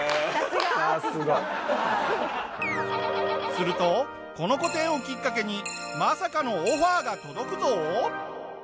するとこの個展をきっかけにまさかのオファーが届くぞ！